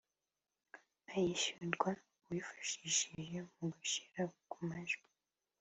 ayishyurwa uwifashishwa mu gushyira ku majwi